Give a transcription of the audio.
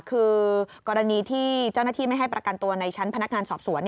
คือกรณีที่เจ้าหน้าที่ไม่ให้ประกันตัวในชั้นพนักงานสอบสวน